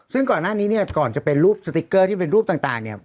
ซึ่งก่อนหน้านี้ก่อนจะเป็นสติกเกอร์ที่เป็นรูปต่าง